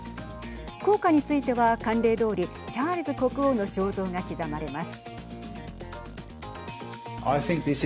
硬貨については慣例どおりチャールズ国王の肖像が刻まれます。